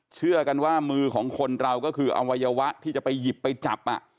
เชื่อกันว่ามือของคนเราก็คืออวัยวะที่จะไปหยิบไปจับ